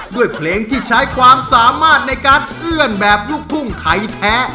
ด้วยเพลงที่ใช้ความสามารถในการเอื้อนแบบลูกทุ่งไทยแท้